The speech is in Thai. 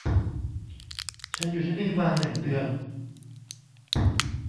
ฉันอยู่ที่นี่มาหนึ่งเดือน